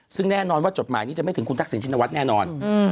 ซึ่งแน่นอนว่าจดหมายนี้จะไม่ถึงคุณทักษิณชินวัฒนแน่นอน